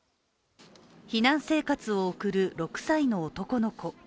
避難生活を送る６歳の男の子。